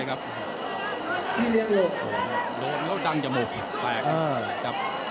มันต้องจังจมูกตัวผล